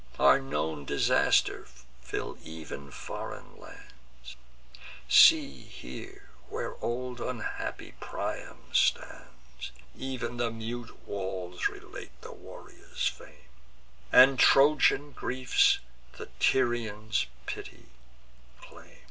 Our known disasters fill ev'n foreign lands: See there, where old unhappy Priam stands! Ev'n the mute walls relate the warrior's fame, And Trojan griefs the Tyrians' pity claim."